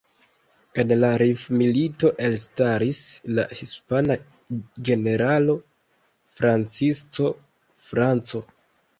En la rif-milito elstaris la hispana generalo Francisco Franco.